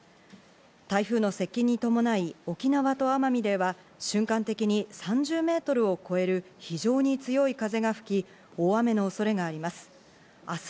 台風の接近に伴い、沖縄と奄美では瞬間的に３０メートルを超える非常に強い風が吹き、大雨の恐れがあります。